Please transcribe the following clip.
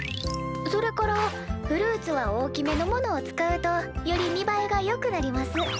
それからフルーツは大きめのものを使うとより見栄えがよくなります。